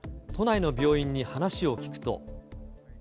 都内の病院に話を聞くと。